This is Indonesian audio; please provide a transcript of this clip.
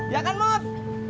ya kan mot